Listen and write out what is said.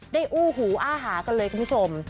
อู้หูอ้าหากันเลยคุณผู้ชม